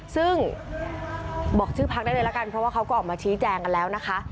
ซึ่งบอกชื่อพักได้เลยละกันเพราะว่าเขาก็ออกมาชี้แจงกันแล้วนะคะ